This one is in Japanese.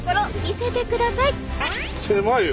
狭いよ。